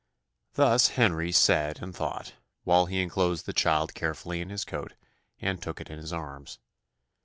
Thus Henry said and thought, while he enclosed the child carefully in his coat, and took it in his arms.